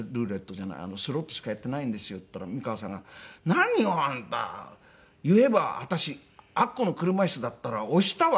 「スロットしかやってないんですよ」って言ったら美川さんが「何よあんた！言えば私アッコの車椅子だったら押したわよ」